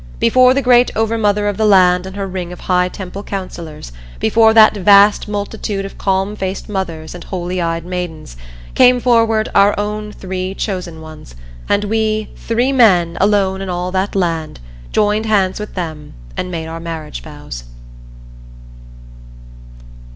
Before the Great Over Mother of the Land and her ring of High Temple Counsellors, before that vast multitude of calm faced mothers and holy eyed maidens, came forward our own three chosen ones, and we, three men alone in all that land, joined hands with them and made our marriage vows.